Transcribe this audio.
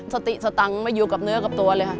สติสตังค์ไม่อยู่กับเนื้อกับตัวเลยค่ะ